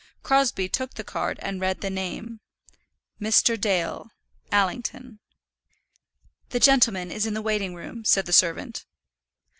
Crosbie took the card and read the name. "Mr. Dale, Allington." "The gentleman is in the waiting room," said the servant.